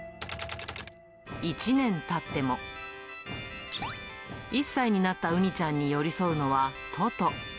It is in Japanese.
１年たっても、１歳になったうにちゃんに寄り添うのはトト。